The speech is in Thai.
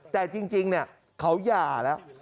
แต่จริงเขาหย่าแล้ว